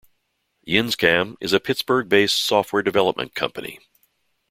YinzCam is a Pittsburgh-based software development company.